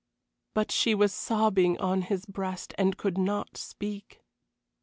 But she was sobbing on his breast and could not speak.